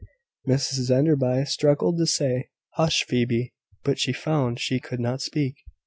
Mrs Enderby struggled to say, "Hush, Phoebe;" but she found she could not speak.